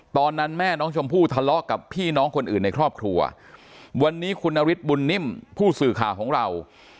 ตอนนั้นแม่น้องชมพู่ทะเลาะกับพี่น้องคนอื่นในครอบครัววันนี้คุณนฤทธิบุญนิ่มผู้สื่อข่าวของเรา